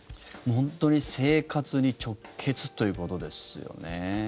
本当に生活に直結ということですよね。